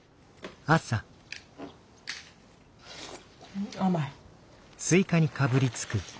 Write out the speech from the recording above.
うん甘い。